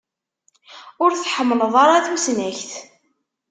Ur tḥemmleḍ ara tusnakt.